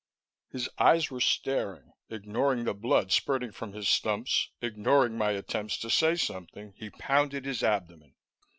His eyes were staring. Ignoring the blood spurting from his stumps, ignoring my attempts to say something, he pounded his abdomen.